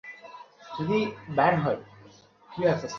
পাপা, খাবার তৈরিতে তো চাচির তুলনাই হয় না্।